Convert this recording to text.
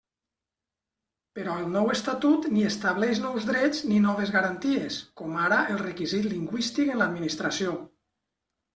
Però el nou Estatut ni estableix nous drets ni noves garanties, com ara el requisit lingüístic en l'Administració.